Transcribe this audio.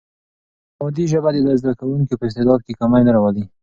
مادي ژبه د زده کوونکي په استعداد کې کمی نه راولي.